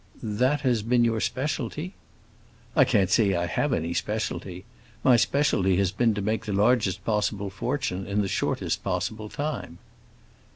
"That has been your specialty?" "I can't say I have any specialty. My specialty has been to make the largest possible fortune in the shortest possible time."